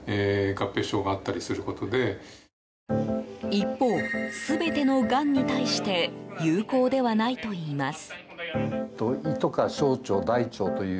一方、全てのがんに対して有効ではないといいます。